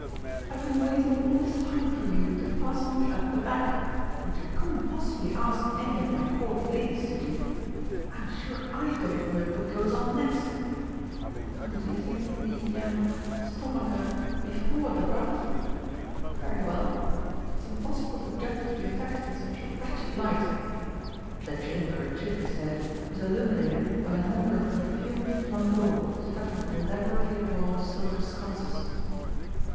"I've been waiting all this time for you to fasten me up the back, which I couldn't possibly ask any of my Court ladies to do.... I'm sure I don't know what goes on next!... Oh, do you think the er stomacher before the ruff?... Very well.... It's impossible to judge the effect in such a wretched light" (the chamber, it should be said, was illuminated by a number of perfumed flambeaux stuck in elaborately wrought silver sconces).